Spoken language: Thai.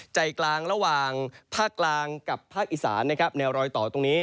ใจกลางระหว่างภาคกลางภาคอิศร์แนวรอยต่อตรงนี้